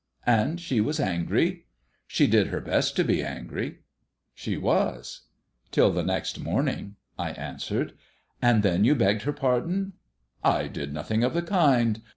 "And she was angry." "She did her best to be angry." "She was." "Till the next morning," I answered. "And then you begged her pardon?" "I did nothing of the kind.